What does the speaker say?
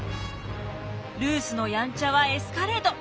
ルースのヤンチャはエスカレート！